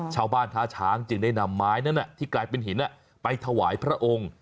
ชาวบ้านท้าช้างจึงได้นำไม้นั้นที่กลายเป็นหินไปถวายพระองค์